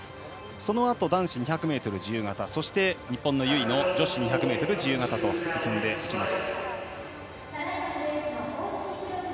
そのあと男子２００ｍ自由形そして、日本の由井の女子２００ｍ自由形と進みます。